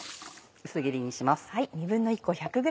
薄切りにします。